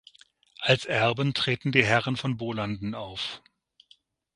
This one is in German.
Als Erben treten die Herren von Bolanden auf.